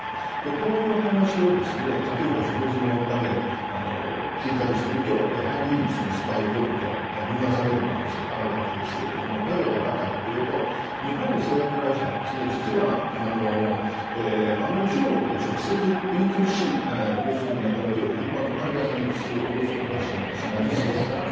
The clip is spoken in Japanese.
こういう話を例えば食事の場で聞いたりするとスパイ行為とみなされる可能性があるわけですがなぜ分かったかというと日本の製薬会社は実はあまり中国で直接一般の患者さんに薬を卸すことはしないんです。